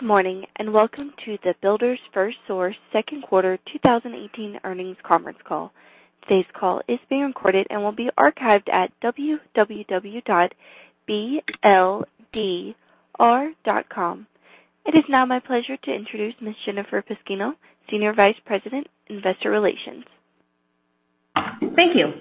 Good morning, and welcome to the Builders FirstSource Second Quarter 2018 Earnings Conference Call. Today's call is being recorded and will be archived at www.bldr.com. It is now my pleasure to introduce Ms. Jennifer Pasquino, Senior Vice President, Investor Relations. Thank you.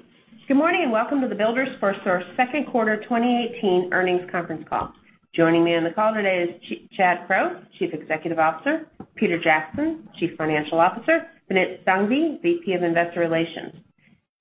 Good morning, and welcome to the Builders FirstSource Second Quarter 2018 Earnings Conference Call. Joining me on the call today is Chad Crow, Chief Executive Officer, Peter Jackson, Chief Financial Officer, Vineet Sanghavi, VP of Investor Relations.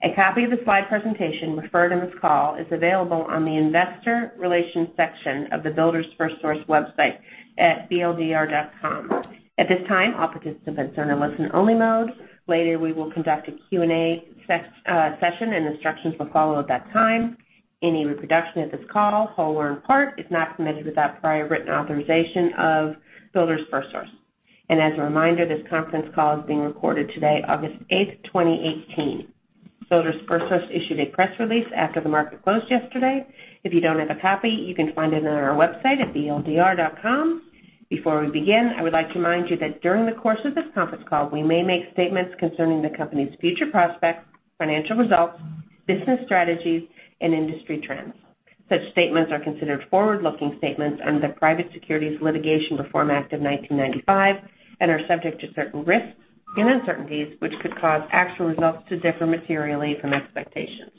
A copy of the slide presentation referred in this call is available on the Investor Relations section of the Builders FirstSource website at bldr.com. At this time, all participants are in listen only mode. Later, we will conduct a Q&A session, and instructions will follow at that time. Any reproduction of this call, whole or in part, is not permitted without prior written authorization of Builders FirstSource. As a reminder, this conference call is being recorded today, August 8th, 2018. Builders FirstSource issued a press release after the market closed yesterday. If you don't have a copy, you can find it on our website at bldr.com. Before we begin, I would like to remind you that during the course of this conference call, we may make statements concerning the company's future prospects, financial results, business strategies, and industry trends. Such statements are considered forward-looking statements under the Private Securities Litigation Reform Act of 1995 and are subject to certain risks and uncertainties which could cause actual results to differ materially from expectations.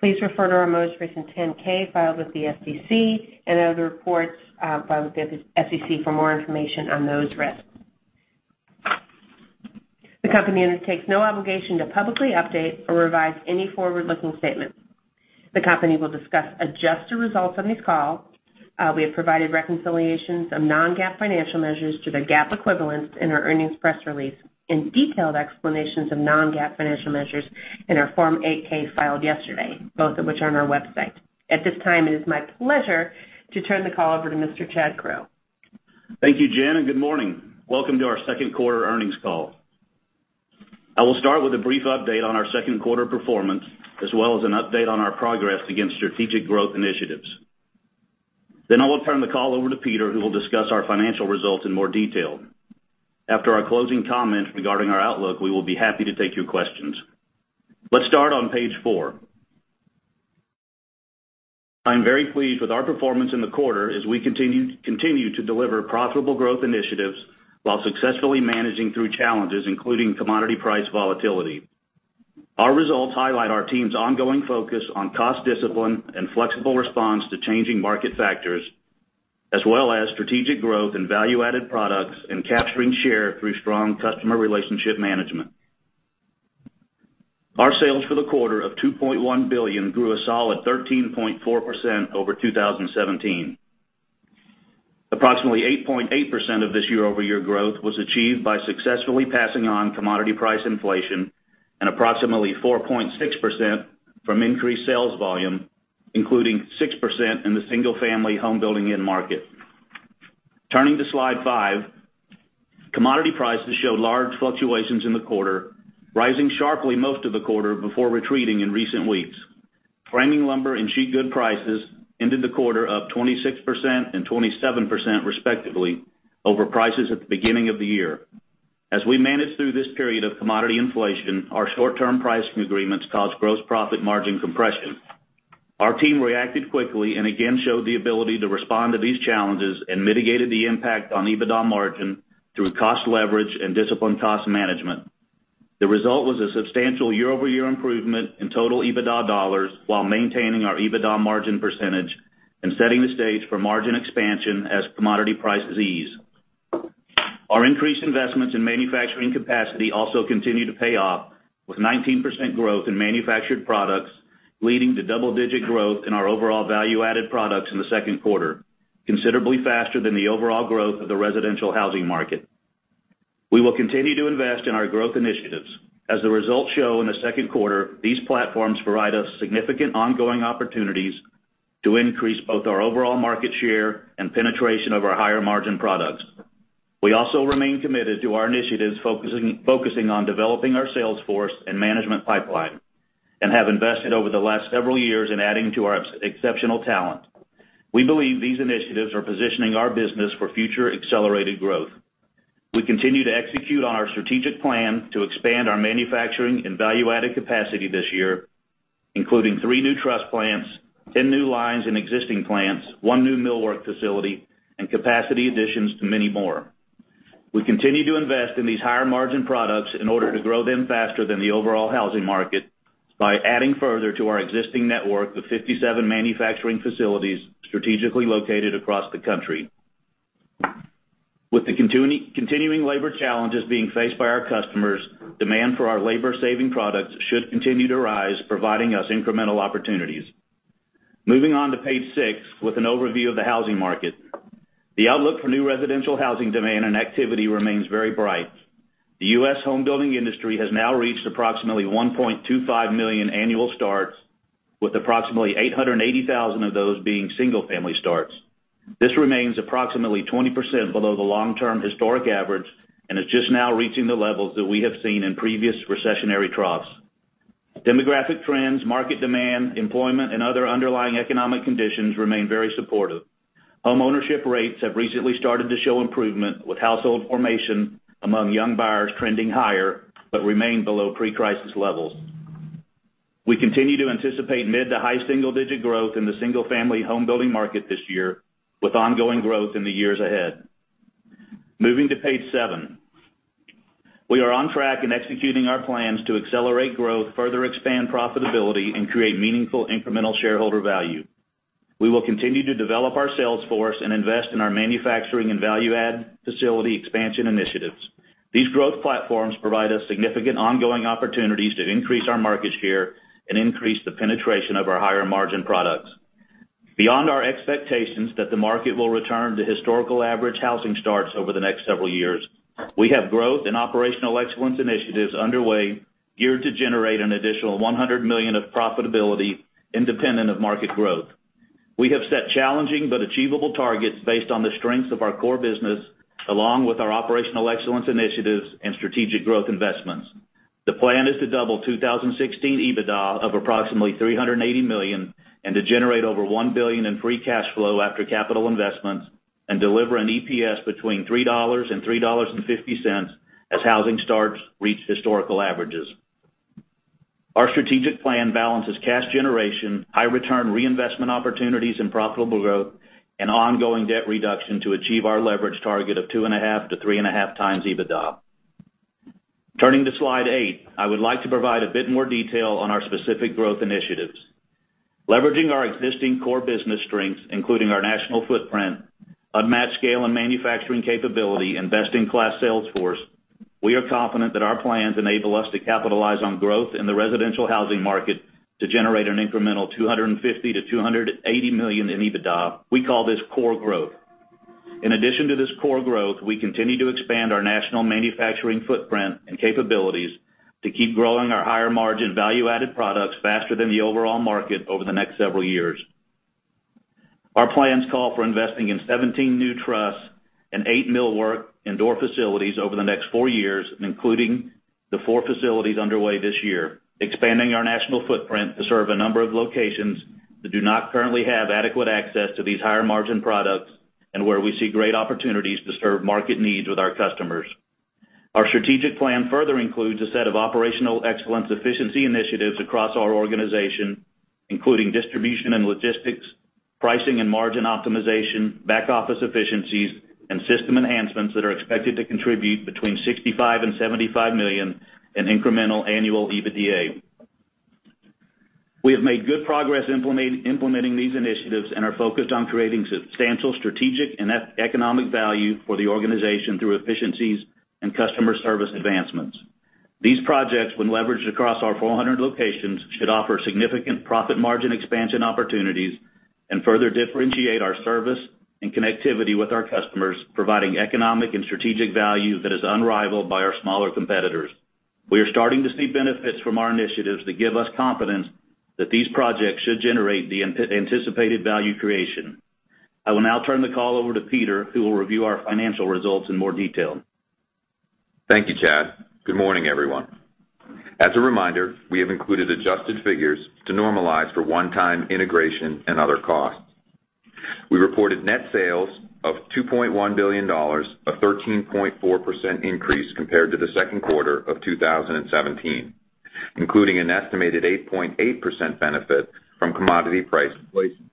Please refer to our most recent 10-K filed with the SEC and other reports filed with the SEC for more information on those risks. The company undertakes no obligation to publicly update or revise any forward-looking statements. The company will discuss adjusted results on this call. We have provided reconciliations of non-GAAP financial measures to the GAAP equivalents in our earnings press release and detailed explanations of non-GAAP financial measures in our Form 8-K filed yesterday, both of which are on our website. At this time, it is my pleasure to turn the call over to Mr. Chad Crow. Thank you, Jen, and good morning. Welcome to our second quarter earnings call. I will start with a brief update on our second quarter performance, as well as an update on our progress against strategic growth initiatives. I will turn the call over to Peter, who will discuss our financial results in more detail. After our closing comments regarding our outlook, we will be happy to take your questions. Let's start on page four. I'm very pleased with our performance in the quarter as we continue to deliver profitable growth initiatives while successfully managing through challenges, including commodity price volatility. Our results highlight our team's ongoing focus on cost discipline and flexible response to changing market factors, as well as strategic growth in value-added products and capturing share through strong customer relationship management. Our sales for the quarter of $2.1 billion grew a solid 13.4% over 2017. Approximately 8.8% of this year-over-year growth was achieved by successfully passing on commodity price inflation and approximately 4.6% from increased sales volume, including 6% in the single-family home building end market. Turning to slide five, commodity prices showed large fluctuations in the quarter, rising sharply most of the quarter before retreating in recent weeks. Framing lumber and sheet good prices ended the quarter up 26% and 27%, respectively, over prices at the beginning of the year. As we managed through this period of commodity inflation, our short-term pricing agreements caused gross profit margin compression. Our team reacted quickly and again showed the ability to respond to these challenges and mitigated the impact on EBITDA margin through cost leverage and disciplined cost management. The result was a substantial year-over-year improvement in total EBITDA dollars while maintaining our EBITDA margin percentage and setting the stage for margin expansion as commodity prices ease. Our increased investments in manufacturing capacity also continue to pay off, with 19% growth in manufactured products leading to double-digit growth in our overall value-added products in the second quarter, considerably faster than the overall growth of the residential housing market. We will continue to invest in our growth initiatives. As the results show in the second quarter, these platforms provide us significant ongoing opportunities to increase both our overall market share and penetration of our higher-margin products. We also remain committed to our initiatives focusing on developing our sales force and management pipeline and have invested over the last several years in adding to our exceptional talent. We believe these initiatives are positioning our business for future accelerated growth. We continue to execute on our strategic plan to expand our manufacturing and value-added capacity this year, including three new truss plants, 10 new lines in existing plants, one new millwork facility, and capacity additions to many more. We continue to invest in these higher-margin products in order to grow them faster than the overall housing market by adding further to our existing network of 57 manufacturing facilities strategically located across the country. With the continuing labor challenges being faced by our customers, demand for our labor-saving products should continue to rise, providing us incremental opportunities. Moving on to page six with an overview of the housing market. The outlook for new residential housing demand and activity remains very bright. The U.S. home building industry has now reached approximately 1.25 million annual starts with approximately 880,000 of those being single-family starts. This remains approximately 20% below the long-term historic average and is just now reaching the levels that we have seen in previous recessionary troughs. Demographic trends, market demand, employment, and other underlying economic conditions remain very supportive. Homeownership rates have recently started to show improvement with household formation among young buyers trending higher but remain below pre-crisis levels. We continue to anticipate mid- to high single-digit growth in the single-family home building market this year, with ongoing growth in the years ahead. Moving to page seven. We are on track in executing our plans to accelerate growth, further expand profitability, and create meaningful incremental shareholder value. We will continue to develop our sales force and invest in our manufacturing and value-add facility expansion initiatives. These growth platforms provide us significant ongoing opportunities to increase our market share and increase the penetration of our higher-margin products. Beyond our expectations that the market will return to historical average housing starts over the next several years, we have growth and operational excellence initiatives underway geared to generate an additional $100 million of profitability independent of market growth. We have set challenging but achievable targets based on the strengths of our core business, along with our operational excellence initiatives and strategic growth investments. The plan is to double 2016 EBITDA of approximately $380 million and to generate over $1 billion in free cash flow after capital investments and deliver an EPS between $3 and $3.50 as housing starts reach historical averages. Our strategic plan balances cash generation, high return reinvestment opportunities and profitable growth, and ongoing debt reduction to achieve our leverage target of 2.5x-3.5x EBITDA. Turning to slide eight, I would like to provide a bit more detail on our specific growth initiatives. Leveraging our existing core business strengths, including our national footprint, unmatched scale and manufacturing capability, and best-in-class sales force, we are confident that our plans enable us to capitalize on growth in the residential housing market to generate an incremental $250 million-$280 million in EBITDA. We call this core growth. In addition to this core growth, we continue to expand our national manufacturing footprint and capabilities to keep growing our higher-margin value-added products faster than the overall market over the next several years. Our plans call for investing in 17 new truss and eight millwork indoor facilities over the next four years, including the four facilities underway this year, expanding our national footprint to serve a number of locations that do not currently have adequate access to these higher-margin products and where we see great opportunities to serve market needs with our customers. Our strategic plan further includes a set of operational excellence efficiency initiatives across our organization, including distribution and logistics, pricing and margin optimization, back-office efficiencies, and system enhancements that are expected to contribute between $65 million-$75 million in incremental annual EBITDA. We have made good progress implementing these initiatives and are focused on creating substantial strategic and economic value for the organization through efficiencies and customer service advancements. These projects, when leveraged across our 400 locations, should offer significant profit margin expansion opportunities and further differentiate our service and connectivity with our customers, providing economic and strategic value that is unrivaled by our smaller competitors. We are starting to see benefits from our initiatives that give us confidence that these projects should generate the anticipated value creation. I will now turn the call over to Peter, who will review our financial results in more detail. Thank you, Chad. Good morning, everyone. As a reminder, we have included adjusted figures to normalize for one-time integration and other costs. We reported net sales of $2.1 billion, a 13.4% increase compared to the second quarter of 2017, including an estimated 8.8% benefit from commodity price inflation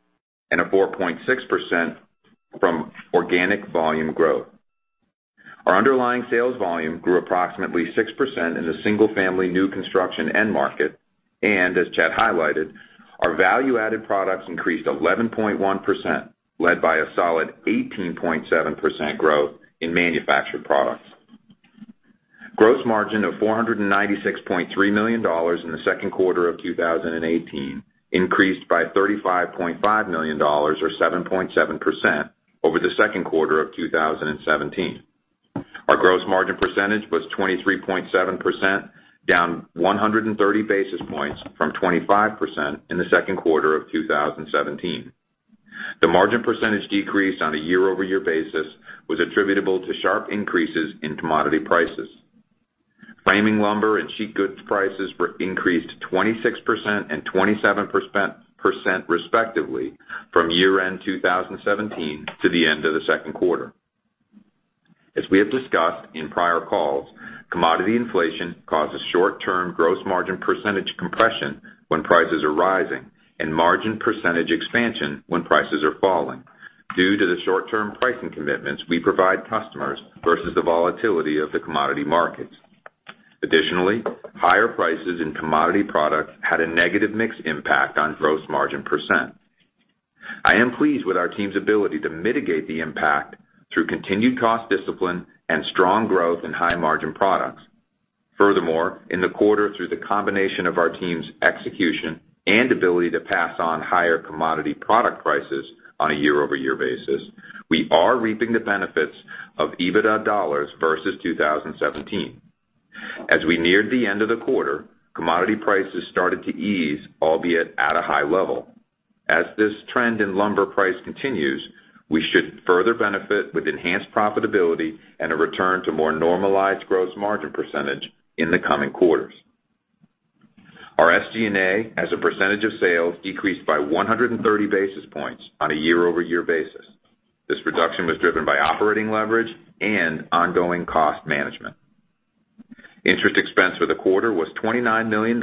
and a 4.6% from organic volume growth. Our underlying sales volume grew approximately 6% in the single-family new construction end market, and as Chad highlighted, our value-added products increased 11.1%, led by a solid 18.7% growth in manufactured products. Gross margin of $496.3 million in the second quarter of 2018 increased by $35.5 million or 7.7% over the second quarter of 2017. Our gross margin percentage was 23.7%, down 130 basis points from 25% in the second quarter of 2017. The margin percentage decrease on a year-over-year basis was attributable to sharp increases in commodity prices. Framing lumber and sheet goods prices increased 26% and 27%, respectively, from year-end 2017 to the end of the second quarter. As we have discussed in prior calls, commodity inflation causes short-term gross margin percentage compression when prices are rising and margin percentage expansion when prices are falling due to the short-term pricing commitments we provide customers versus the volatility of the commodity markets. Higher prices in commodity products had a negative mix impact on gross margin percent. I am pleased with our team's ability to mitigate the impact through continued cost discipline and strong growth in high-margin products. In the quarter, through the combination of our team's execution and ability to pass on higher commodity product prices on a year-over-year basis, we are reaping the benefits of EBITDA dollars versus 2017. As we neared the end of the quarter, commodity prices started to ease, albeit at a high level. As this trend in lumber price continues, we should further benefit with enhanced profitability and a return to more normalized gross margin percentage in the coming quarters. Our SG&A as a percentage of sales decreased by 130 basis points on a year-over-year basis. This reduction was driven by operating leverage and ongoing cost management. Interest expense for the quarter was $29 million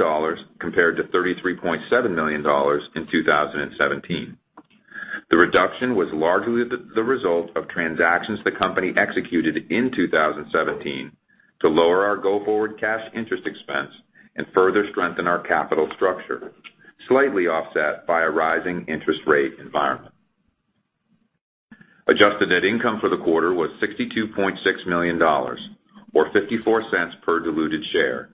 compared to $33.7 million in 2017. The reduction was largely the result of transactions the company executed in 2017 to lower our go-forward cash interest expense and further strengthen our capital structure, slightly offset by a rising interest rate environment. Adjusted net income for the quarter was $62.6 million or $0.54 per diluted share,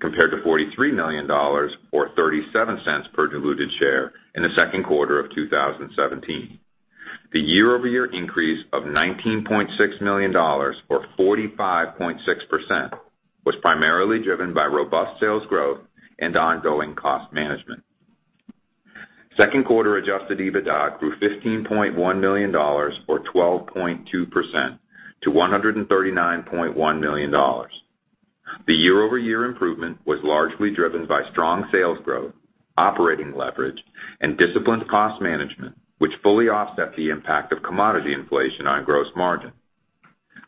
compared to $43 million or $0.37 per diluted share in the second quarter of 2017. The year-over-year increase of $19.6 million or 45.6% was primarily driven by robust sales growth and ongoing cost management. Second quarter adjusted EBITDA grew $15.1 million or 12.2% to $139.1 million. The year-over-year improvement was largely driven by strong sales growth, operating leverage, and disciplined cost management, which fully offset the impact of commodity inflation on gross margin.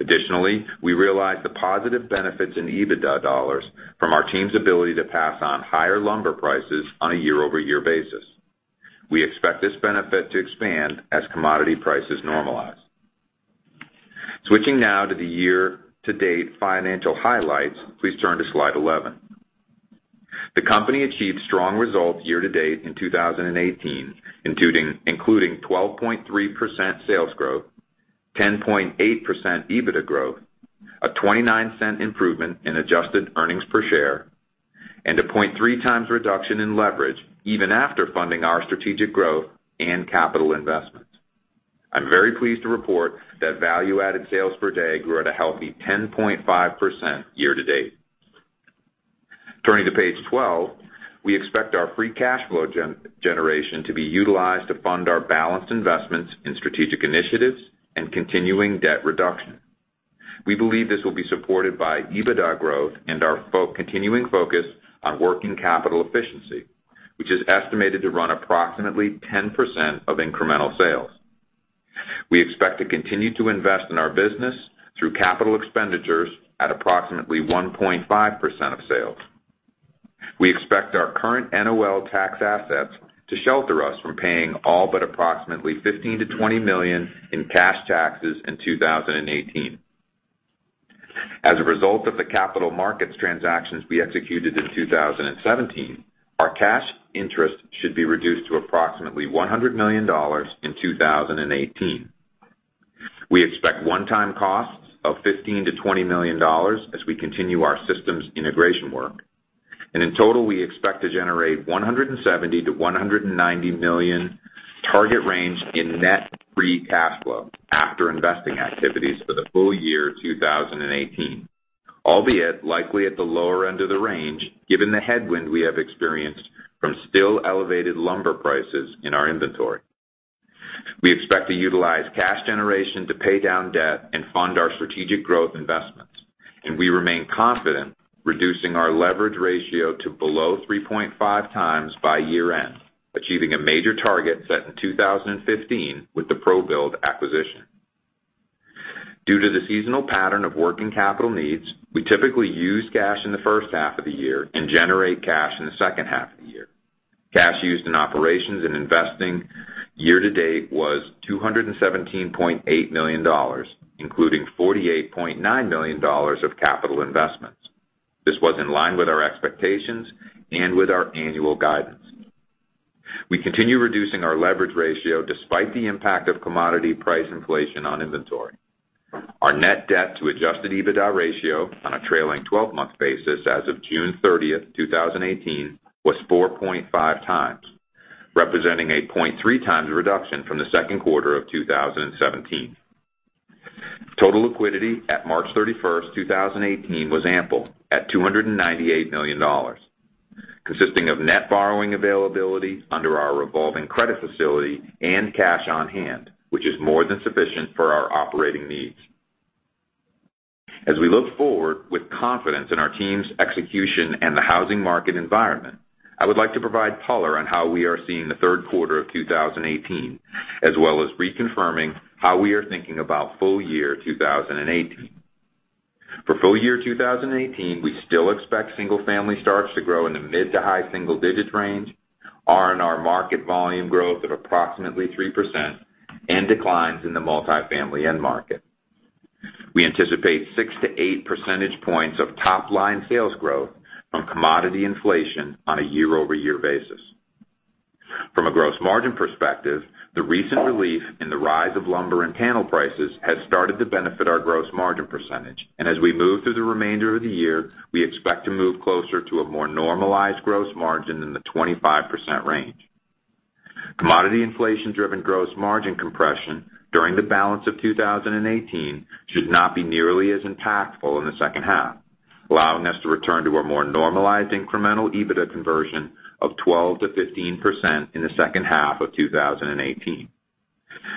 Additionally, we realized the positive benefits in EBITDA dollars from our team's ability to pass on higher lumber prices on a year-over-year basis. We expect this benefit to expand as commodity prices normalize. Switching now to the year-to-date financial highlights. Please turn to slide 11. The company achieved strong results year-to-date in 2018, including 12.3% sales growth, 10.8% EBITDA growth, a $0.29 improvement in adjusted earnings per share, and a 0.3 times reduction in leverage even after funding our strategic growth and capital investments. I'm very pleased to report that value-added sales per day grew at a healthy 10.5% year-to-date. Turning to page 12, we expect our free cash flow generation to be utilized to fund our balanced investments in strategic initiatives and continuing debt reduction. We believe this will be supported by EBITDA growth and our continuing focus on working capital efficiency, which is estimated to run approximately 10% of incremental sales. We expect to continue to invest in our business through capital expenditures at approximately 1.5% of sales. We expect our current NOL tax assets to shelter us from paying all but approximately $15 million-$20 million in cash taxes in 2018. As a result of the capital markets transactions we executed in 2017, our cash interest should be reduced to approximately $100 million in 2018. We expect one-time costs of $15 million-$20 million as we continue our systems integration work, and in total, we expect to generate $170 million-$190 million target range in net free cash flow after investing activities for the full year 2018. Albeit likely at the lower end of the range, given the headwind we have experienced from still elevated lumber prices in our inventory. We expect to utilize cash generation to pay down debt and fund our strategic growth investments, and we remain confident reducing our leverage ratio to below 3.5 times by year-end, achieving a major target set in 2015 with the ProBuild acquisition. Due to the seasonal pattern of working capital needs, we typically use cash in the first half of the year and generate cash in the second half of the year. Cash used in operations and investing year-to-date was $217.8 million, including $48.9 million of capital investments. This was in line with our expectations and with our annual guidance. We continue reducing our leverage ratio despite the impact of commodity price inflation on inventory. Our net debt to adjusted EBITDA ratio on a trailing 12-month basis as of June 30th, 2018, was 4.5 times, representing a 0.3 times reduction from the second quarter of 2017. Total liquidity at March 31st, 2018, was ample at $298 million, consisting of net borrowing availability under our revolving credit facility and cash on hand, which is more than sufficient for our operating needs. As we look forward with confidence in our team's execution and the housing market environment, I would like to provide color on how we are seeing the third quarter of 2018, as well as reconfirming how we are thinking about full year 2018. For full year 2018, we still expect single-family starts to grow in the mid-to-high single-digits range, R&R market volume growth of approximately 3%, and declines in the multifamily end market. We anticipate 6 to 8 percentage points of top-line sales growth from commodity inflation on a year-over-year basis. From a gross margin perspective, the recent relief in the rise of lumber and panel prices has started to benefit our gross margin percentage, and as we move through the remainder of the year, we expect to move closer to a more normalized gross margin in the 25% range. Commodity inflation-driven gross margin compression during the balance of 2018 should not be nearly as impactful in the second half. Allowing us to return to a more normalized incremental EBITDA conversion of 12%-15% in the second half of 2018.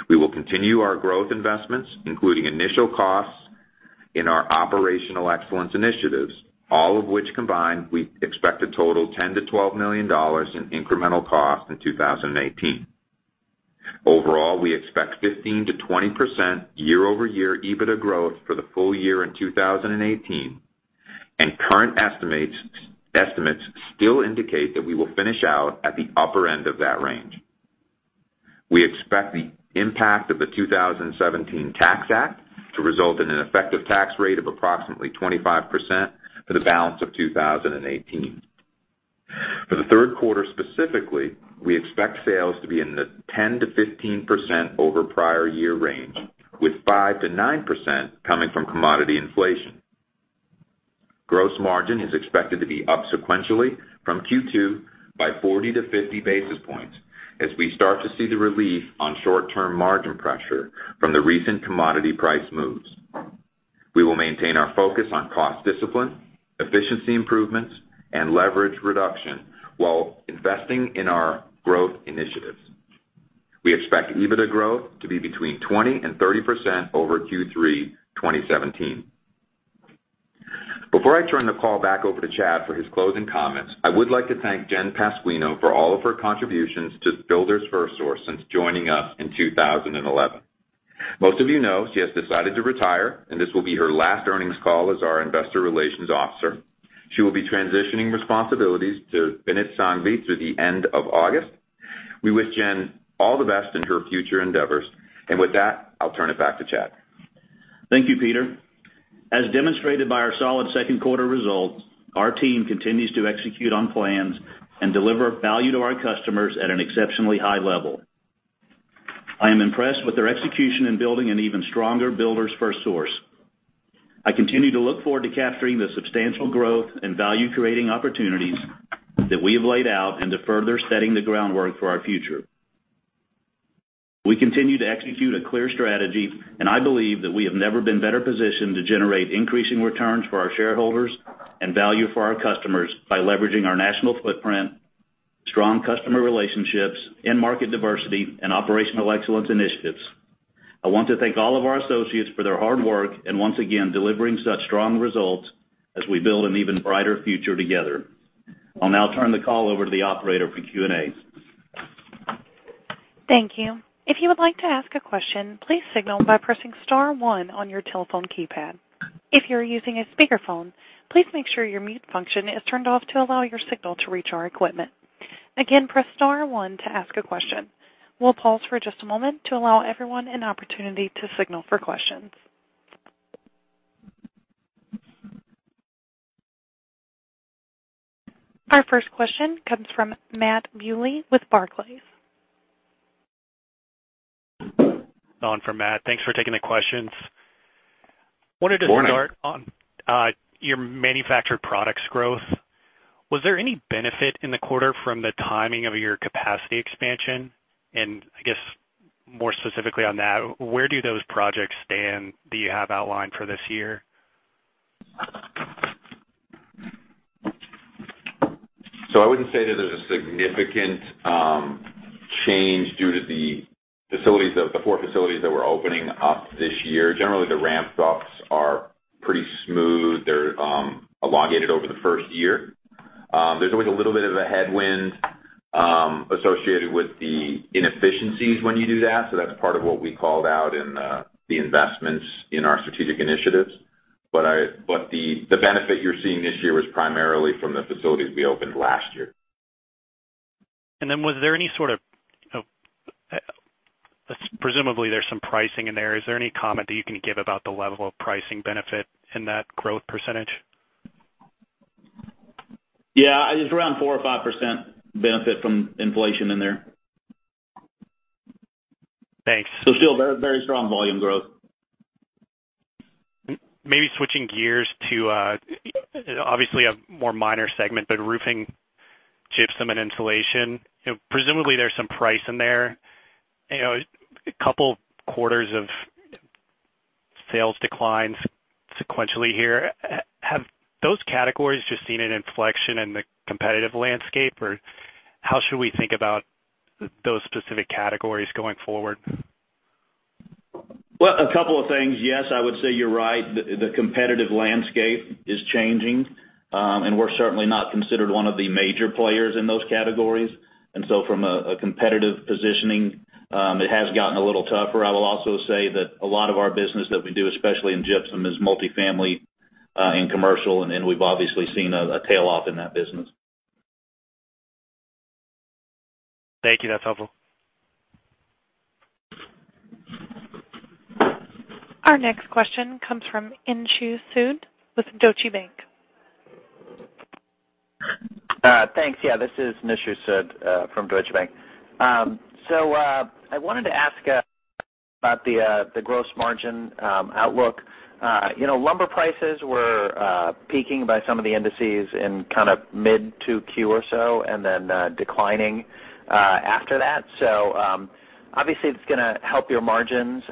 We will continue our growth investments, including initial costs in our operational excellence initiatives, all of which combined, we expect to total $10 million-$12 million in incremental cost in 2018. Overall, we expect 15%-20% year-over-year EBITDA growth for the full year in 2018, and current estimates still indicate that we will finish out at the upper end of that range. We expect the impact of the 2017 Tax Act to result in an effective tax rate of approximately 25% for the balance of 2018. For the third quarter specifically, we expect sales to be in the 10%-15% over prior year range, with 5%-9% coming from commodity inflation. Gross margin is expected to be up sequentially from Q2 by 40-50 basis points, as we start to see the relief on short-term margin pressure from the recent commodity price moves. We will maintain our focus on cost discipline, efficiency improvements, and leverage reduction, while investing in our growth initiatives. We expect EBITDA growth to be between 20% and 30% over Q3 2017. Before I turn the call back over to Chad for his closing comments, I would like to thank Jen Pasquino for all of her contributions to Builders FirstSource since joining us in 2011. Most of you know she has decided to retire, and this will be her last earnings call as our Investor Relations Officer. She will be transitioning responsibilities to Vineet Sanghavi through the end of August. We wish Jen all the best in her future endeavors. With that, I'll turn it back to Chad. Thank you, Peter. As demonstrated by our solid second quarter results, our team continues to execute on plans and deliver value to our customers at an exceptionally high level. I am impressed with their execution in building an even stronger Builders FirstSource. I continue to look forward to capturing the substantial growth and value-creating opportunities that we have laid out into further setting the groundwork for our future. We continue to execute a clear strategy, and I believe that we have never been better positioned to generate increasing returns for our shareholders and value for our customers by leveraging our national footprint, strong customer relationships, end market diversity, and operational excellence initiatives. I want to thank all of our associates for their hard work, and once again, delivering such strong results as we build an even brighter future together. I'll now turn the call over to the operator for Q&A. Thank you. If you would like to ask a question, please signal by pressing *1 on your telephone keypad. If you're using a speakerphone, please make sure your mute function is turned off to allow your signal to reach our equipment. Again, press *1 to ask a question. We'll pause for just a moment to allow everyone an opportunity to signal for questions. Our first question comes from Matthew Bouley with Barclays. On for Matt. Thanks for taking the questions. Good morning. Wanted to start on your manufactured products growth. Was there any benefit in the quarter from the timing of your capacity expansion? I guess more specifically on that, where do those projects stand that you have outlined for this year? I wouldn't say that there's a significant change due to the four facilities that we're opening up this year. Generally, the ramp-ups are pretty smooth. They're elongated over the first year. There's always a little bit of a headwind associated with the inefficiencies when you do that, so that's part of what we called out in the investments in our strategic initiatives. The benefit you're seeing this year was primarily from the facilities we opened last year. Presumably there's some pricing in there. Is there any comment that you can give about the level of pricing benefit in that growth percentage? Yeah. It's around 4% or 5% benefit from inflation in there. Thanks. Still very strong volume growth. Maybe switching gears to, obviously a more minor segment, but roofing, gypsum, and insulation, presumably there's some price in there. A couple quarters of sales declines sequentially here. Have those categories just seen an inflection in the competitive landscape, or how should we think about those specific categories going forward? Well, a couple of things. Yes, I would say you're right. The competitive landscape is changing. We're certainly not considered one of the major players in those categories. From a competitive positioning, it has gotten a little tougher. I will also say that a lot of our business that we do, especially in gypsum, is multi-family, and commercial, and we've obviously seen a tail-off in that business. Thank you. That's helpful. Our next question comes from Nishu Sood with Deutsche Bank. Thanks. Yeah, this is Nishu Sood from Deutsche Bank. I wanted to ask about the gross margin outlook. Lumber prices were peaking by some of the indices in mid 2Q or so, then declining after that. Obviously, it's going to help your margins.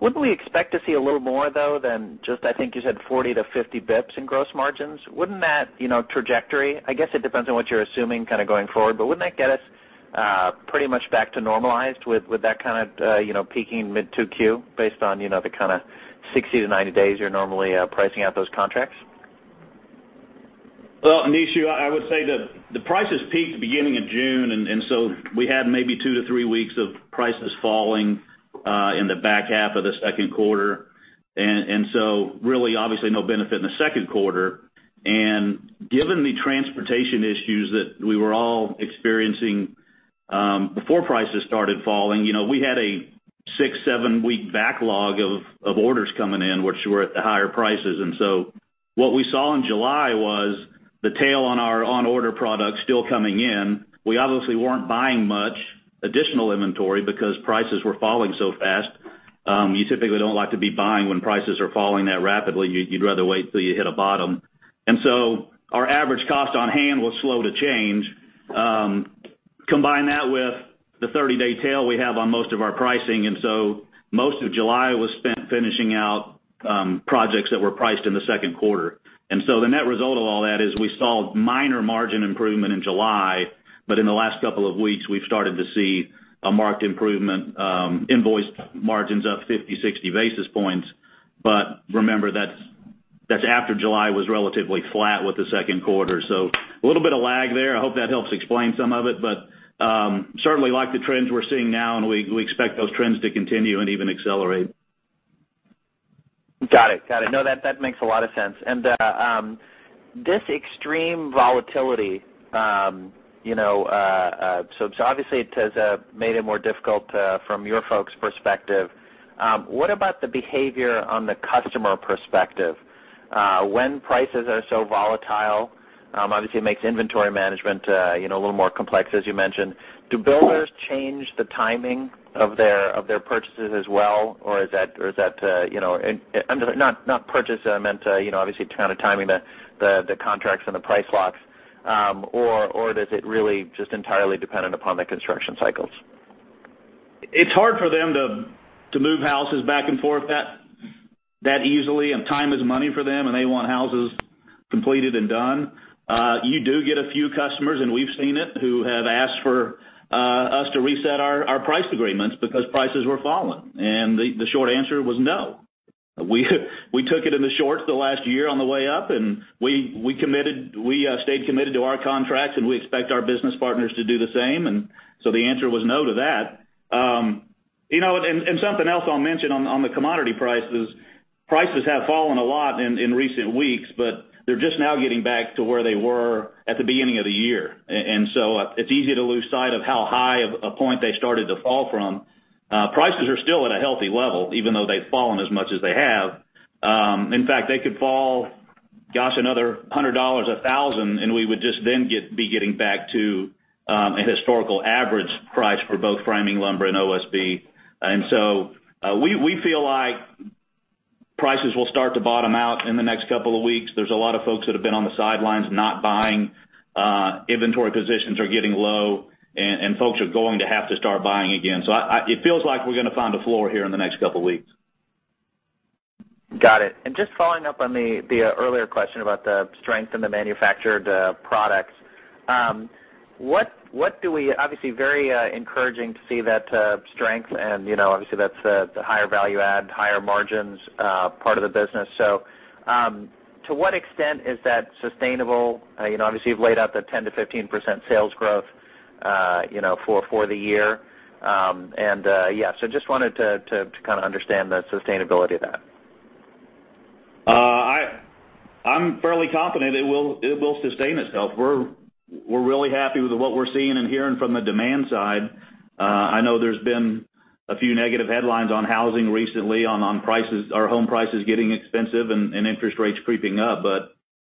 Wouldn't we expect to see a little more, though, than just, I think you said 40-50 basis points in gross margins? Wouldn't that trajectory, I guess it depends on what you're assuming going forward, but wouldn't that get us pretty much back to normalized with that kind of peaking mid 2Q based on the kind of 60-90 days you're normally pricing out those contracts? Well, Nishu, I would say the prices peaked the beginning of June, we had maybe 2-3 weeks of prices falling in the back half of the second quarter. Really, obviously, no benefit in the second quarter. Given the transportation issues that we were all experiencing before prices started falling, we had a 6-7-week backlog of orders coming in, which were at the higher prices. What we saw in July was the tail on our on-order products still coming in. We obviously weren't buying much additional inventory because prices were falling so fast. You typically don't like to be buying when prices are falling that rapidly. You'd rather wait till you hit a bottom. Our average cost on hand was slow to change. Combine that with the 30-day tail we have on most of our pricing, most of July was spent finishing out projects that were priced in the second quarter. The net result of all that is we saw minor margin improvement in July, in the last couple of weeks, we've started to see a marked improvement, invoice margins up 50-60 basis points. Remember, that's after July was relatively flat with the second quarter. A little bit of lag there. I hope that helps explain some of it, certainly like the trends we're seeing now, and we expect those trends to continue and even accelerate. Got it. No, that makes a lot of sense. This extreme volatility, obviously it has made it more difficult from your folks' perspective. What about the behavior on the customer perspective? When prices are so volatile, obviously it makes inventory management a little more complex, as you mentioned. Do builders change the timing of their purchases as well? Not purchase, I meant obviously kind of timing the contracts and the price locks. Does it really just entirely dependent upon the construction cycles? It's hard for them to move houses back and forth that easily, and time is money for them, and they want houses completed and done. You do get a few customers, and we've seen it, who have asked for us to reset our price agreements because prices were falling. The short answer was no. We took it in the shorts the last year on the way up, and we stayed committed to our contracts, and we expect our business partners to do the same. The answer was no to that. Something else I'll mention on the commodity prices have fallen a lot in recent weeks, but they're just now getting back to where they were at the beginning of the year. It's easy to lose sight of how high a point they started to fall from. Prices are still at a healthy level, even though they've fallen as much as they have. In fact, they could fall, gosh, another $100, $1,000, and we would just then be getting back to a historical average price for both framing lumber and OSB. We feel like prices will start to bottom out in the next couple of weeks. There's a lot of folks that have been on the sidelines not buying. Inventory positions are getting low, and folks are going to have to start buying again. It feels like we're going to find a floor here in the next couple of weeks. Got it. Just following up on the earlier question about the strength in the manufactured products. Obviously, very encouraging to see that strength and obviously that's the higher value add, higher margins part of the business. To what extent is that sustainable? Obviously, you've laid out the 10%-15% sales growth for the year. Yeah, just wanted to kind of understand the sustainability of that. I'm fairly confident it will sustain itself. We're really happy with what we're seeing and hearing from the demand side. I know there's been a few negative headlines on housing recently on prices or home prices getting expensive and interest rates creeping up.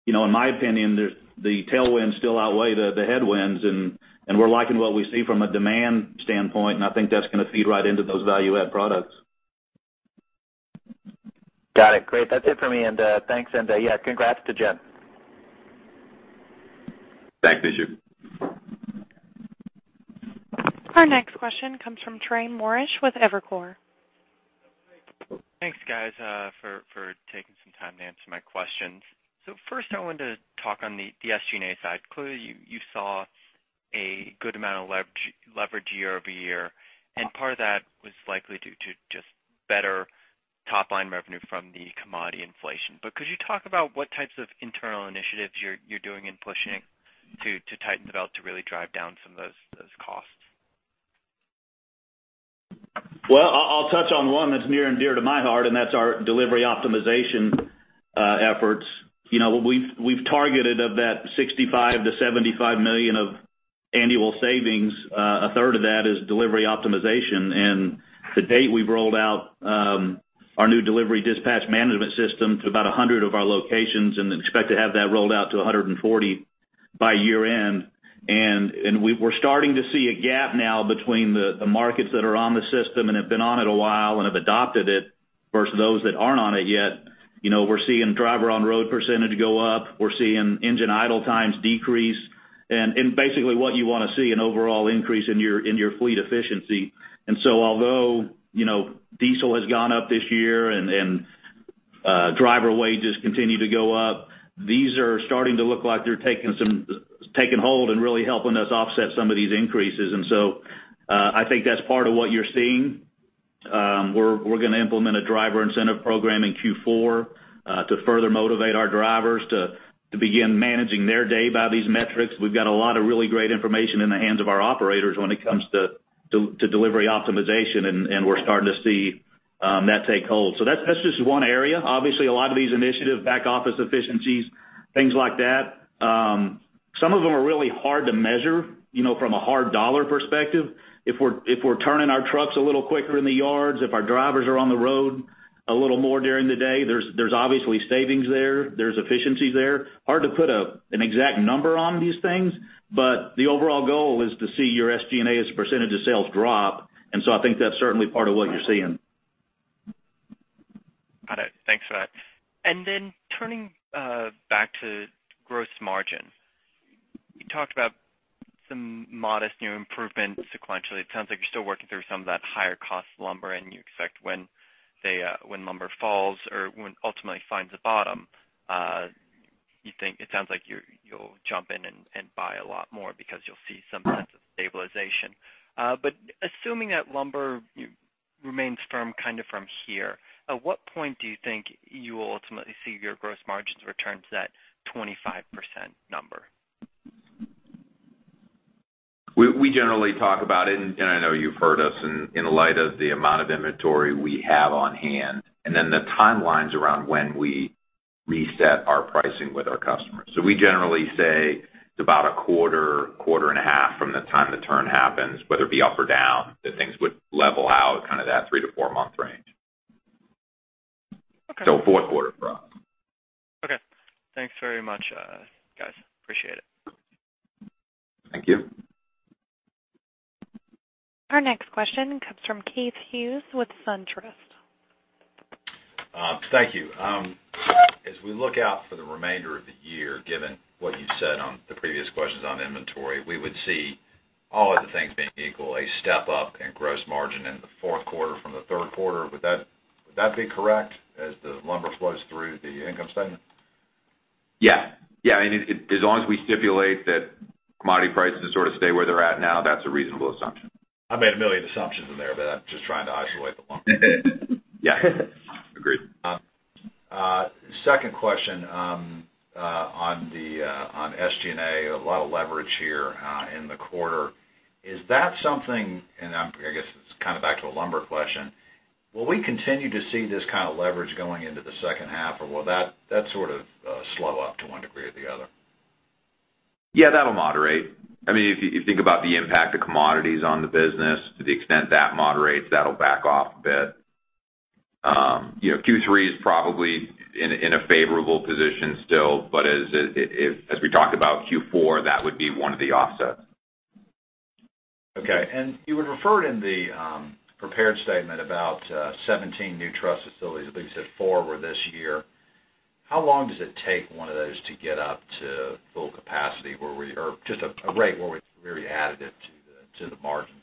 In my opinion, the tailwinds still outweigh the headwinds, and we're liking what we see from a demand standpoint, and I think that's going to feed right into those value-add products. Got it. Great. That's it for me, and thanks, and yeah, congrats to Jen. Thanks, Nishu. Our next question comes from Trey Morrish with Evercore. Thanks, guys for taking some time to answer my questions. First I wanted to talk on the SG&A side. Clearly, you saw a good amount of leverage year-over-year, and part of that was likely due to just better top-line revenue from the commodity inflation. Could you talk about what types of internal initiatives you're doing in pushing to tighten the belt to really drive down some of those costs? Well, I'll touch on one that's near and dear to my heart, and that's our delivery optimization efforts. We've targeted of that $65 million-$75 million of annual savings, a third of that is delivery optimization. To date, we've rolled out our new delivery dispatch management system to about 100 of our locations and expect to have that rolled out to 140 by year-end. We're starting to see a gap now between the markets that are on the system and have been on it a while and have adopted it versus those that aren't on it yet. We're seeing driver-on-road % go up. We're seeing engine idle times decrease. Basically what you want to see, an overall increase in your fleet efficiency. Although diesel has gone up this year and driver wages continue to go up, these are starting to look like they're taking hold and really helping us offset some of these increases. I think that's part of what you're seeing. We're going to implement a driver incentive program in Q4 to further motivate our drivers to begin managing their day by these metrics. We've got a lot of really great information in the hands of our operators when it comes to delivery optimization, and we're starting to see that take hold. That's just one area. Obviously, a lot of these initiatives, back office efficiencies, things like that. Some of them are really hard to measure from a hard dollar perspective. If we're turning our trucks a little quicker in the yards, if our drivers are on the road a little more during the day, there's obviously savings there. There's efficiencies there. Hard to put an exact number on these things, the overall goal is to see your SG&A as a % of sales drop. I think that's certainly part of what you're seeing. Got it. Thanks for that. Turning back to gross margin. You talked about some modest new improvements sequentially. It sounds like you're still working through some of that higher cost lumber, and you expect when lumber falls or when ultimately finds a bottom, it sounds like you'll jump in and buy a lot more because you'll see some signs of stabilization. Assuming that lumber remains firm from here, at what point do you think you will ultimately see your gross margins return to that 25% number? We generally talk about it, and I know you've heard us in light of the amount of inventory we have on hand, and then the timelines around when we reset our pricing with our customers. We generally say it's about a quarter and a half from the time the turn happens, whether it be up or down, that things would level out kind of that three to four-month range. Okay. Fourth quarter for us. Okay. Thanks very much, guys. Appreciate it. Thank you. Our next question comes from Keith Hughes with SunTrust. Thank you. As we look out for the remainder of the year, given what you said on the previous questions on inventory, we would see all other things being equal, a step up in gross margin in the fourth quarter from the third quarter. Would that be correct as the lumber flows through the income statement? Yeah. As long as we stipulate that commodity prices sort of stay where they're at now, that's a reasonable assumption. I made a million assumptions in there, but I'm just trying to isolate the lumber. Yeah. Agreed. Second question on SG&A. A lot of leverage here in the quarter. Is that something, and I guess it's kind of back to a lumber question, will we continue to see this kind of leverage going into the second half, or will that sort of slow up to one degree or the other? Yeah, that'll moderate. If you think about the impact of commodities on the business, to the extent that moderates, that'll back off a bit. Q3 is probably in a favorable position still, but as we talked about Q4, that would be one of the offsets. Okay. You had referred in the prepared statement about 17 new truss facilities. I believe you said four were this year. How long does it take one of those to get up to full capacity or just a rate where it's very additive to the margins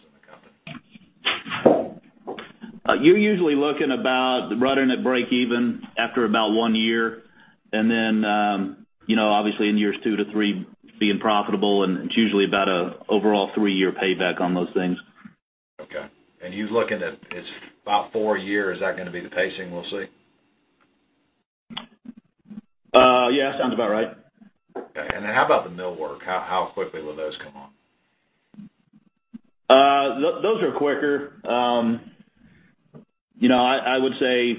of the company? You're usually looking about running at break even after about one year. Obviously in years two to three being profitable, it's usually about an overall three-year payback on those things. Okay. You're looking at it's about four years. Is that going to be the pacing we'll see? Yeah, sounds about right. Okay. How about the millwork? How quickly will those come on? Those are quicker. I would say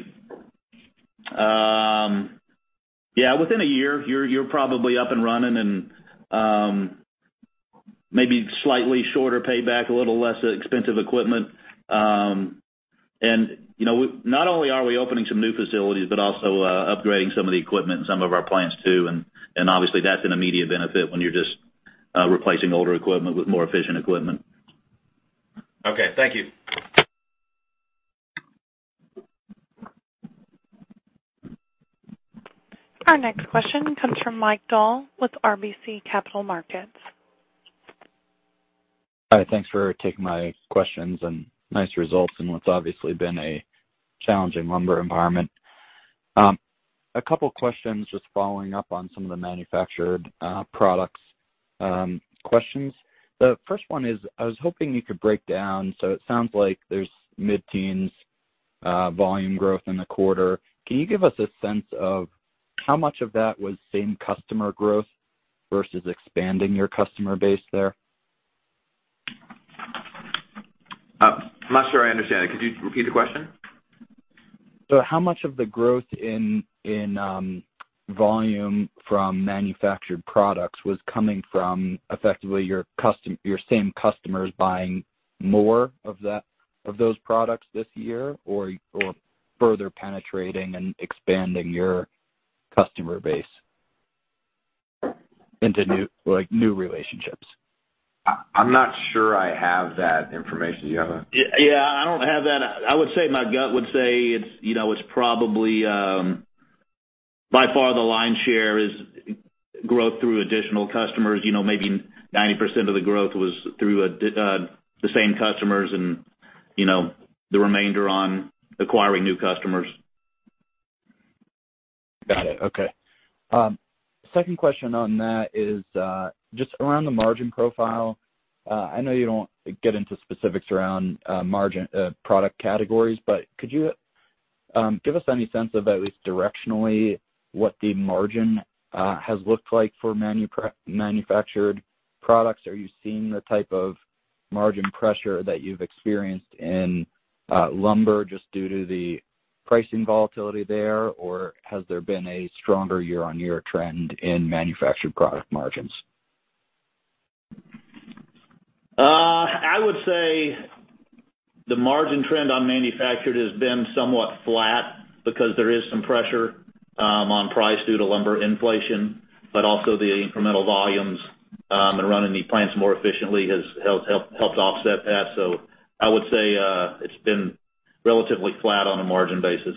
within a year, you're probably up and running and maybe slightly shorter payback, a little less expensive equipment. Not only are we opening some new facilities, but also upgrading some of the equipment in some of our plants, too. Obviously, that's an immediate benefit when you're just replacing older equipment with more efficient equipment. Okay. Thank you. Our next question comes from Michael Dahl with RBC Capital Markets. Hi, thanks for taking my questions and nice results in what's obviously been a challenging lumber environment. A couple questions just following up on some of the manufactured products questions. The first one is, I was hoping you could break down, it sounds like there's mid-teens volume growth in the quarter. Can you give us a sense of how much of that was same customer growth versus expanding your customer base there? I'm not sure I understand it. Could you repeat the question? How much of the growth in volume from manufactured products was coming from effectively your same customers buying more of those products this year, or further penetrating and expanding your customer base into new relationships? I'm not sure I have that information. Do you have it? I don't have that. My gut would say it's probably, by far the lion's share is growth through additional customers. Maybe 90% of the growth was through the same customers and the remainder on acquiring new customers. Got it. Second question on that is just around the margin profile. I know you don't get into specifics around margin product categories, but could you give us any sense of at least directionally what the margin has looked like for manufactured products? Are you seeing the type of margin pressure that you've experienced in lumber just due to the pricing volatility there? Or has there been a stronger year-over-year trend in manufactured product margins? I would say the margin trend on manufactured has been somewhat flat because there is some pressure on price due to lumber inflation, but also the incremental volumes and running the plants more efficiently has helped offset that. I would say it's been relatively flat on a margin basis.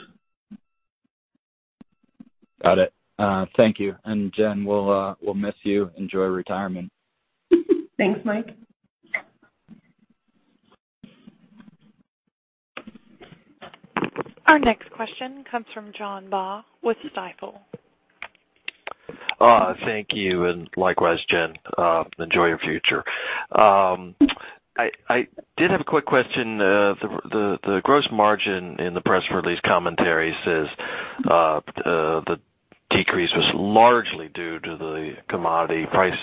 Got it. Thank you. Jen, we'll miss you. Enjoy retirement. Thanks, Mike. Our next question comes from John Baugh with Stifel. Thank you, likewise, Jen. Enjoy your future. I did have a quick question. The gross margin in the press release commentary says the decrease was largely due to the commodity price.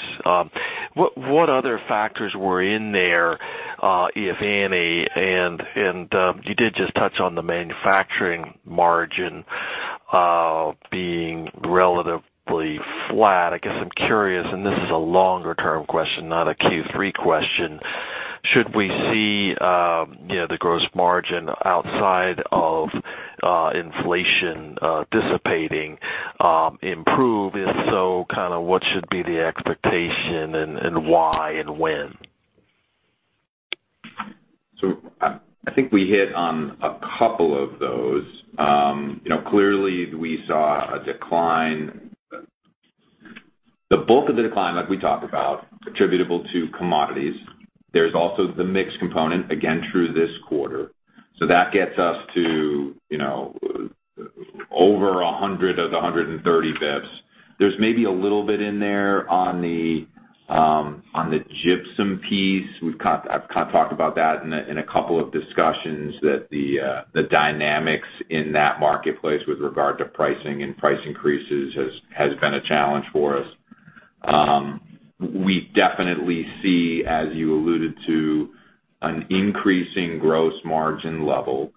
What other factors were in there, if any? You did just touch on the manufacturing margin being relatively flat. I guess I'm curious, and this is a longer-term question, not a Q3 question. Should we see the gross margin outside of inflation dissipating improve? If so, what should be the expectation and why and when? I think we hit on a couple of those. Clearly we saw a decline. The bulk of the decline that we talk about attributable to commodities. There's also the mix component, again, true this quarter. That gets us to over 100 of the 130 basis points. There's maybe a little bit in there on the gypsum piece. I've talked about that in a couple of discussions, that the dynamics in that marketplace with regard to pricing and price increases has been a challenge for us. We definitely see, as you alluded to, an increasing gross margin level.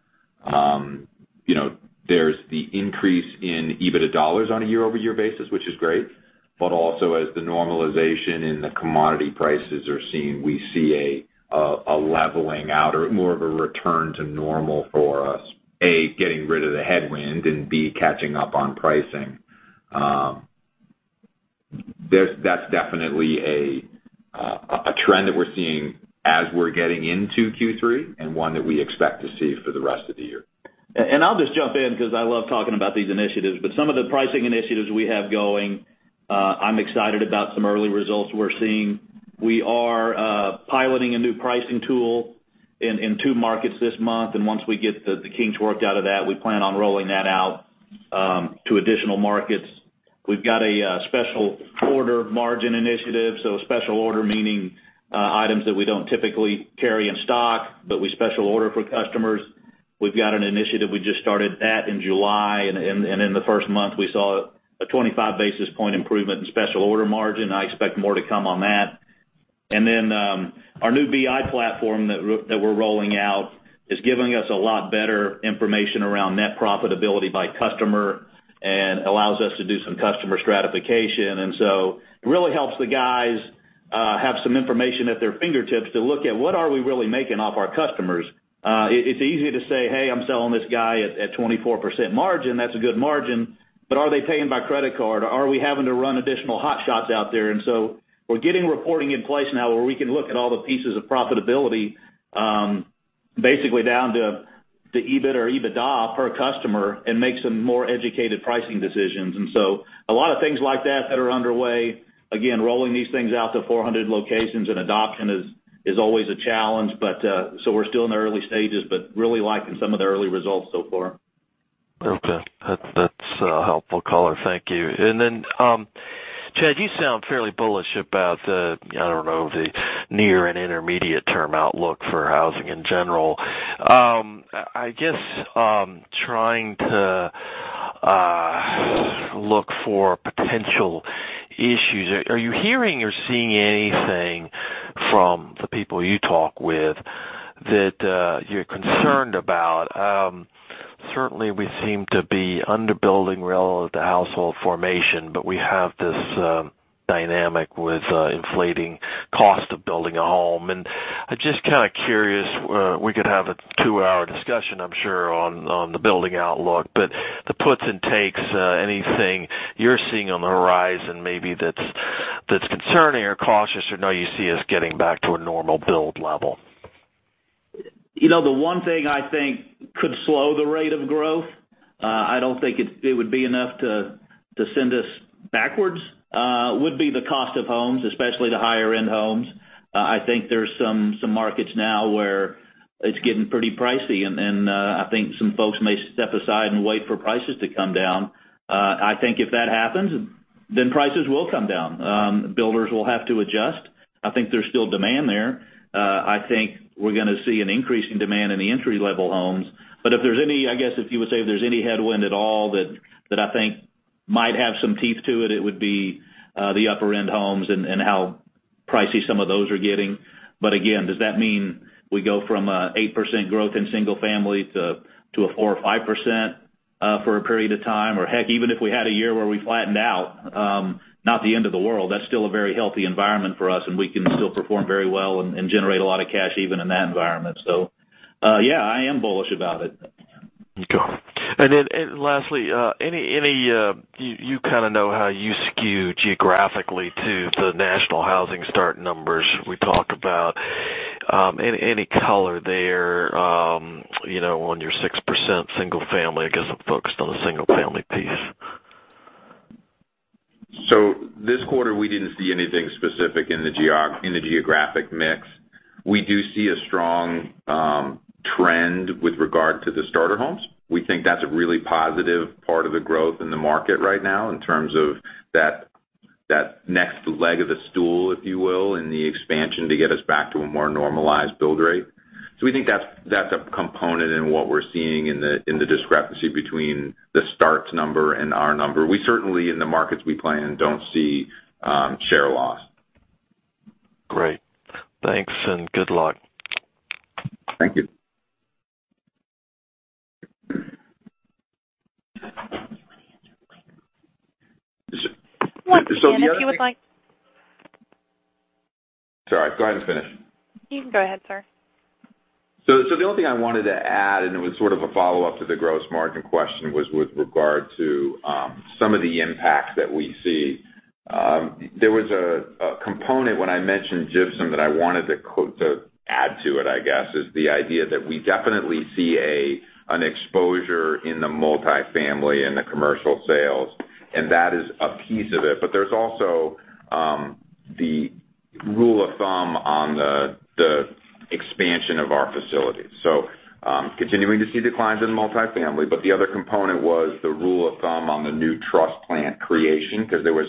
There's the increase in EBITDA dollars on a year-over-year basis, which is great, but also as the normalization in the commodity prices are seen, we see a leveling out or more of a return to normal for us. A, getting rid of the headwind, and B, catching up on pricing. That's definitely a trend that we're seeing as we're getting into Q3 and one that we expect to see for the rest of the year. I'll just jump in because I love talking about these initiatives, some of the pricing initiatives we have going, I'm excited about some early results we're seeing. We are piloting a new pricing tool in two markets this month, once we get the kinks worked out of that, we plan on rolling that out to additional markets. We've got a special order margin initiative, so special order meaning items that we don't typically carry in stock, but we special order for customers. We've got an initiative, we just started that in July, in the first month, we saw a 25-basis-point improvement in special order margin. I expect more to come on that. Our new BI platform that we're rolling out is giving us a lot better information around net profitability by customer and allows us to do some customer stratification. It really helps the guys have some information at their fingertips to look at what are we really making off our customers. It's easy to say, "Hey, I'm selling this guy at 24% margin. That's a good margin." Are they paying by credit card? Are we having to run additional hot shots out there? We're getting reporting in place now where we can look at all the pieces of profitability basically down to the EBIT or EBITDA per customer and make some more educated pricing decisions. A lot of things like that that are underway. Again, rolling these things out to 400 locations and adoption is always a challenge. We're still in the early stages, really liking some of the early results so far. Okay. That's helpful, caller. Thank you. Chad, you sound fairly bullish about the, I don't know, the near and intermediate-term outlook for housing in general. I guess trying to look for potential issues. Are you hearing or seeing anything from the people you talk with that you're concerned about? Certainly we seem to be under-building relative to household formation, we have this dynamic with inflating cost of building a home. I'm just kind of curious, we could have a two-hour discussion, I'm sure, on the building outlook, the puts and takes, anything you're seeing on the horizon maybe that's concerning or cautious, or no, you see us getting back to a normal build level? The one thing I think could slow the rate of growth, I don't think it would be enough to send us backwards, would be the cost of homes, especially the higher-end homes. I think there's some markets now where it's getting pretty pricey, and I think some folks may step aside and wait for prices to come down. I think if that happens, prices will come down. Builders will have to adjust. I think there's still demand there. I think we're going to see an increase in demand in the entry-level homes. If there's any, I guess if you would say, if there's any headwind at all that I think might have some teeth to it would be the upper-end homes and how pricey some of those are getting. Again, does that mean we go from an 8% growth in single family to a 4% or 5% for a period of time? Heck, even if we had a year where we flattened out, not the end of the world. That's still a very healthy environment for us, and we can still perform very well and generate a lot of cash even in that environment. Yeah, I am bullish about it. Okay. Then lastly, you kind of know how you skew geographically to the national housing start numbers we talk about. Any color there on your 6% single family? I guess I'm focused on the single family piece. This quarter, we didn't see anything specific in the geographic mix. We do see a strong trend with regard to the starter homes. We think that's a really positive part of the growth in the market right now in terms of that next leg of the stool, if you will, in the expansion to get us back to a more normalized build rate. We think that's a component in what we're seeing in the discrepancy between the starts number and our number. We certainly, in the markets we play in, don't see share loss. Great. Thanks, and good luck. Thank you. The other thing- Once again, if you would like- Sorry, go ahead and finish. You can go ahead, sir. The only thing I wanted to add, and it was sort of a follow-up to the gross margin question, was with regard to some of the impacts that we see. There was a component when I mentioned gypsum that I wanted to add to it, I guess, is the idea that we definitely see an exposure in the multifamily and the commercial sales, and that is a piece of it. There's also the rule of thumb on the expansion of our facilities. Continuing to see declines in multifamily, but the other component was the rule of thumb on the new truss plant creation, because there was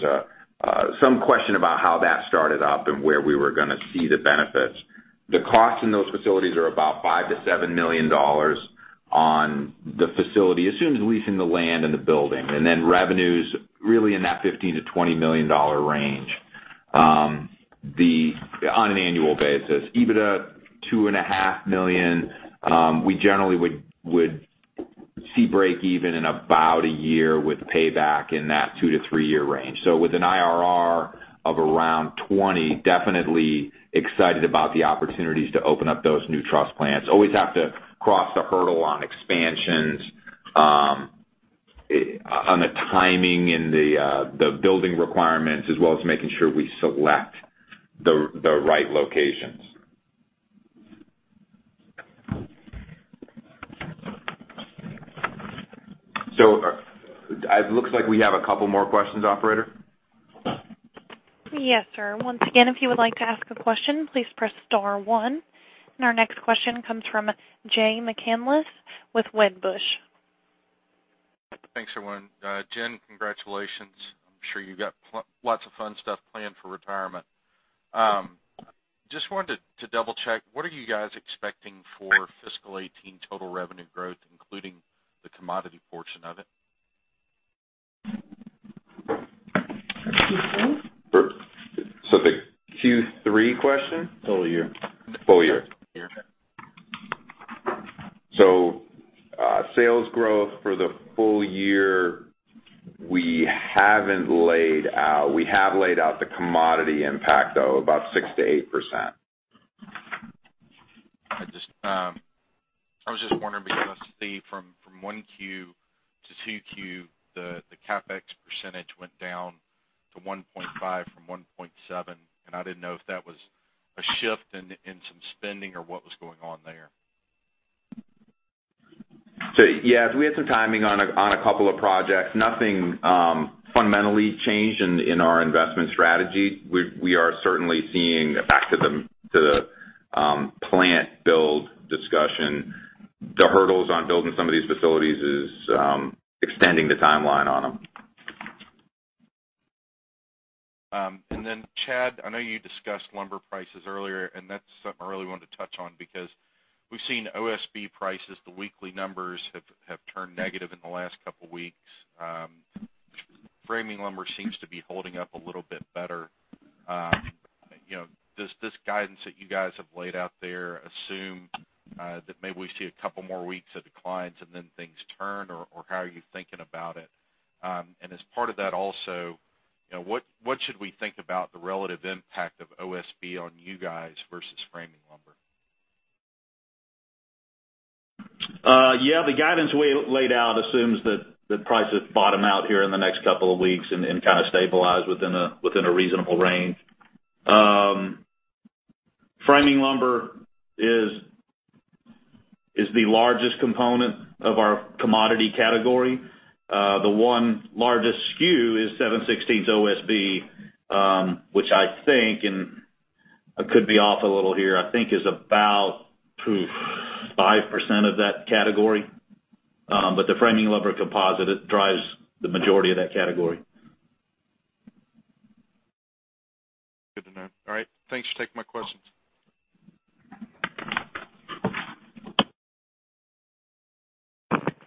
some question about how that started up and where we were going to see the benefits. The cost in those facilities are about $5 million-$7 million on the facility, assumes leasing the land and the building. Revenues really in that $15 million-$20 million range on an annual basis. EBITDA, $2.5 million. We generally would see breakeven in about a year with payback in that 2- to 3-year range. With an IRR of around 20, definitely excited about the opportunities to open up those new truss plants. Always have to cross the hurdle on expansions on the timing and the building requirements, as well as making sure we select the right locations. It looks like we have a couple more questions, operator. Yes, sir. Once again, if you would like to ask a question, please press *1, our next question comes from Jay McCanless with Wedbush. Thanks, everyone. Jen, congratulations. I'm sure you've got lots of fun stuff planned for retirement. Just wanted to double-check, what are you guys expecting for FY 2018 total revenue growth, including the commodity portion of it? For Q3? The Q3 question? Full year. Full year. Full year, okay. Sales growth for the full year, we haven't laid out. We have laid out the commodity impact, though, about 6%-8%. I was just wondering because I see from 1Q to 2Q, the CapEx % went down to 1.5 from 1.7. I didn't know if that was a shift in some spending or what was going on there. Yes, we had some timing on a couple of projects. Nothing fundamentally changed in our investment strategy. We are certainly seeing back to the plant build discussion, the hurdles on building some of these facilities is extending the timeline on them. Chad, I know you discussed lumber prices earlier, and that's something I really wanted to touch on because we've seen OSB prices, the weekly numbers have turned negative in the last couple of weeks. Framing lumber seems to be holding up a little bit better. Does this guidance that you guys have laid out there assume that maybe we see a couple more weeks of declines and then things turn, or how are you thinking about it? As part of that also, what should we think about the relative impact of OSB on you guys versus framing lumber? Yeah. The guidance we laid out assumes that prices bottom out here in the next couple of weeks and kind of stabilize within a reasonable range. Framing lumber is the largest component of our commodity category. The one largest SKU is 7/16 OSB, which I think, and I could be off a little here, I think is about 5% of that category. The framing lumber composite, it drives the majority of that category. Good to know. All right. Thanks for taking my questions.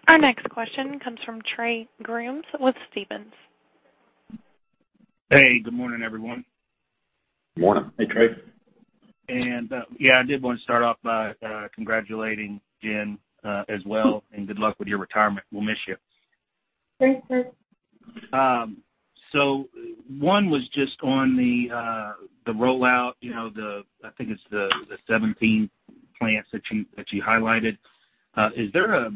Our next question comes from Trey Grooms with Stephens. Hey, good morning, everyone. Morning. Hey, Trey. Yeah, I did want to start off by congratulating Jen as well, and good luck with your retirement. We'll miss you. Thanks. One was just on the rollout, I think it's the 17 plants that you highlighted. Is there a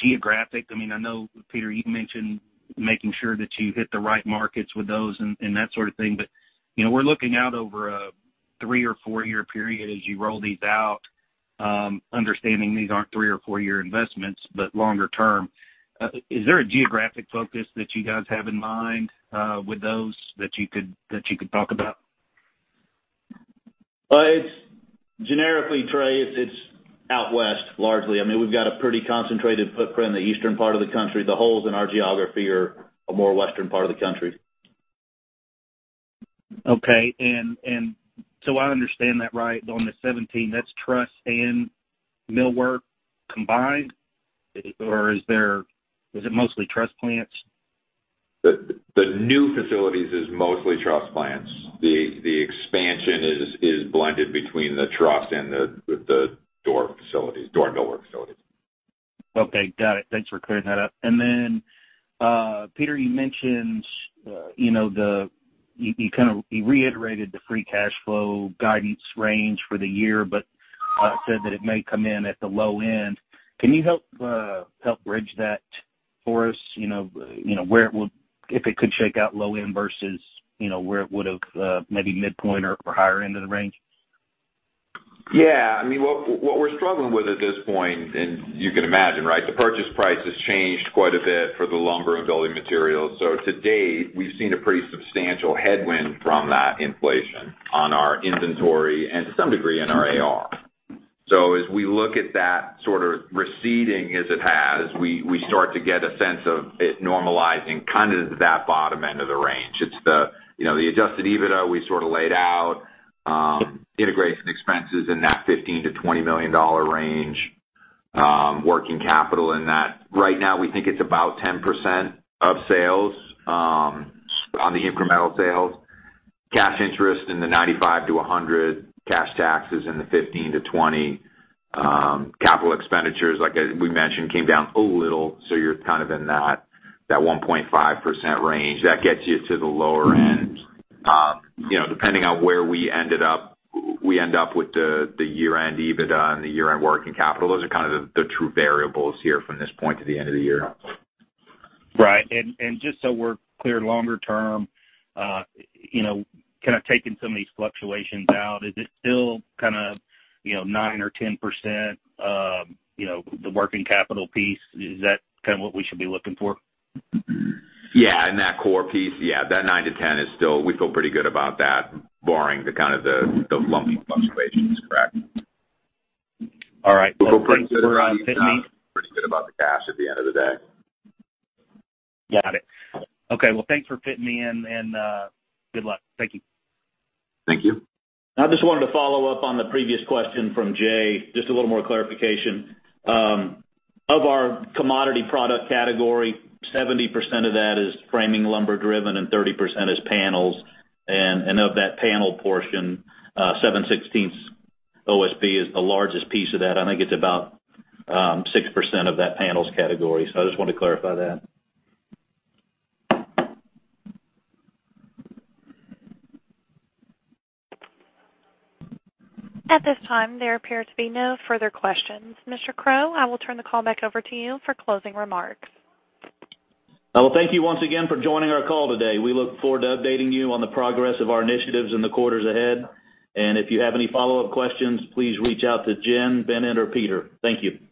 geographic I know, Peter, you mentioned making sure that you hit the right markets with those and that sort of thing, but we're looking out over a three- or four-year period as you roll these out, understanding these aren't three- or four-year investments, but longer term. Is there a geographic focus that you guys have in mind with those that you could talk about? Generically, Trey, it's out West, largely. We've got a pretty concentrated footprint in the eastern part of the country. The holes in our geography are a more western part of the country. Okay. I understand that right, on the 17, that's truss and millwork combined? Or is it mostly truss plants? The new facilities is mostly truss plants. The expansion is blended between the truss and the door millwork facilities. Okay, got it. Thanks for clearing that up. Peter, you reiterated the free cash flow guidance range for the year, but said that it may come in at the low end. Can you help bridge that for us? If it could shake out low end versus where it would have maybe mid-point or higher end of the range? Yeah. What we're struggling with at this point, and you can imagine, the purchase price has changed quite a bit for the lumber and building materials. To date, we've seen a pretty substantial headwind from that inflation on our inventory and to some degree in our AR. As we look at that sort of receding as it has, we start to get a sense of it normalizing kind of into that bottom end of the range. It's the adjusted EBITDA we sort of laid out, integration expenses in that $15 million-$20 million range, working capital in that. Right now, we think it's about 10% of sales on the incremental sales. Cash interest in the $95 million-$100 million, cash taxes in the $15 million-$20 million. Capital expenditures, like we mentioned, came down a little, you're kind of in that 1.5% range. That gets you to the lower end. Depending on where we end up with the year-end EBITDA and the year-end working capital, those are kind of the true variables here from this point to the end of the year. Right. Just so we're clear longer term, kind of taking some of these fluctuations out, is it still kind of nine percent or 10% the working capital piece? Is that kind of what we should be looking for? Yeah. In that core piece, yeah. That nine to 10 is still, we feel pretty good about that barring the kind of the lumpy fluctuations. Correct. All right. Thanks for fitting me. We feel pretty good about the cash at the end of the day. Got it. Okay. Thanks for fitting me in, and good luck. Thank you. Thank you. I just wanted to follow up on the previous question from Jay, just a little more clarification. Of our commodity product category, 70% of that is framing lumber driven and 30% is panels. Of that panel portion, 7/16 OSB is the largest piece of that. I think it's about 6% of that panels category. I just wanted to clarify that. At this time, there appear to be no further questions. Chad Crow, I will turn the call back over to you for closing remarks. Well, thank you once again for joining our call today. We look forward to updating you on the progress of our initiatives in the quarters ahead. If you have any follow-up questions, please reach out to Jen, Vineet, or Peter. Thank you.